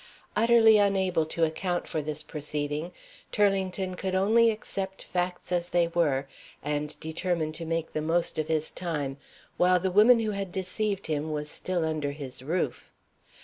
Utterly unable to account for this proceeding, Turlington could only accept facts as they were, and determine to make the most of his time, while the woman who had deceived him was still under his roof.